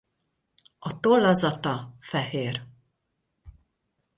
A tollazata fehér.